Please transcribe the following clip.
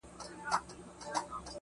• د پښتنو ماحول دی دلته تهمتوته ډېر دي.